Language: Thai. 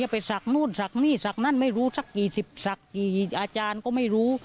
ไปสักนู่นสักนี่สักนั่นไม่รู้สักกี่สิบสักกี่อาจารย์ก็ไม่รู้